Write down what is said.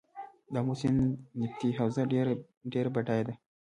د امو سیند نفتي حوزه ډیره بډایه ده.